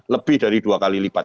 lebih dari dua kali lipat